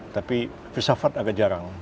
tapi filsafat agak jarang